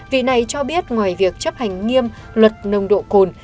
vì này cho biết ngoài việc chấp hành nghiêm luật nồng độ cồn